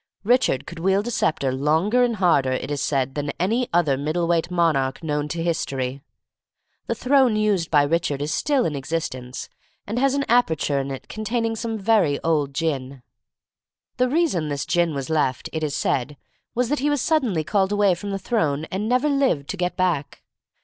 Richard could wield a sceptre longer and harder, it is said, than any other middle weight monarch known to history. The throne used by Richard is still in existence, and has an aperture in it containing some very old gin. The reason this gin was left, it is said, was that he was suddenly called away from the throne and never lived to get back.